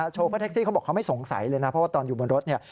โชเฟอร์แท็กซี่เขาบอกเขาไม่สงสัยเลยนะเพราะว่าตอนอยู่บนรถเนี่ย